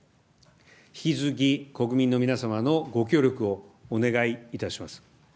引き続き国民の皆様のご協力をお願いいたします。